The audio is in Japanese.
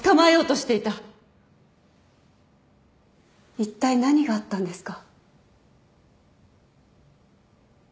いったい何があったんですか？